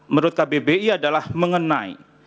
menurut kbbi adalah mengenai